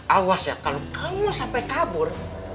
awas ya kalau kamu sampai kabur